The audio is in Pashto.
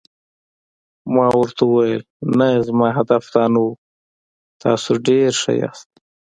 ما ورته وویل: نه، زما هدف دا نه و، تاسي ډېر ښه یاست.